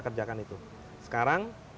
kerjakan itu sekarang